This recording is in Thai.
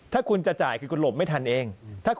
ถ้าคุณจะจ่ายคือคุณหลบไม่ทันเอง